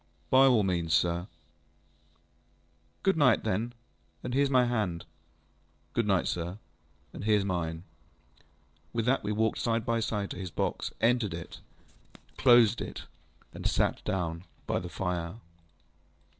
ŌĆØ ŌĆ£By all means, sir. ŌĆØ ŌĆ£Good night, then, and hereŌĆÖs my hand. ŌĆØ ŌĆ£Good night, sir, and hereŌĆÖs mine. ŌĆØ With that we walked side by side to his box, entered it, closed the door, and sat down by the fire.